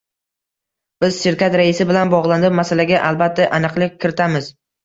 Biz shirkat raisi bilan bogʻlanib, masalaga albatta aniqlik kiritamiz.